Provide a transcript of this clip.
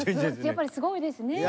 やっぱりすごいですね！